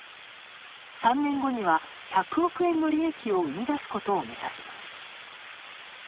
３年後には１００億円の利益を生み出すことを目指します。